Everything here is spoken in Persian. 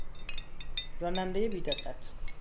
رانندهی بیدقت